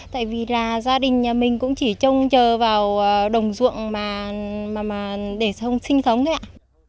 tại vì gia đình nhà mình cũng chỉ trông chờ vào đồng ruộng để sinh thống thôi ạ